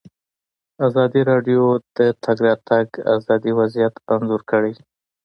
ازادي راډیو د د تګ راتګ ازادي وضعیت انځور کړی.